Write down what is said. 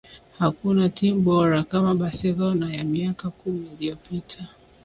hakuna timu bora kama barcelona ya miaka kumi iliyopita